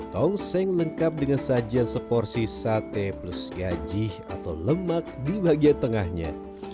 tongseng lengkap dengan sajian seporsi sate plus gaji atau lemak di bagian tengahnya